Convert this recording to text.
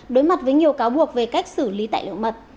đối mặt với nhiều cáo buộc về cách xử lý tại lượng mật